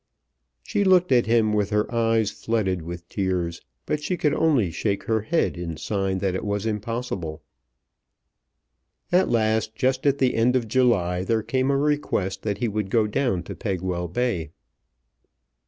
She looked at him with her eyes flooded with tears, but she could only shake her head in sign that it was impossible. At last, just at the end of July, there came a request that he would go down to Pegwell Bay.